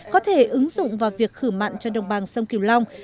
có thể ứng dụng vào việc khử mặn cho đồng bằng sông kiều long